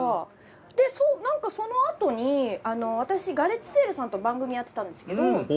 なんかそのあとに私ガレッジセールさんと番組やってたんですけど